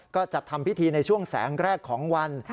ก็จะทำพิธีในช่วงแสงแรกของวัน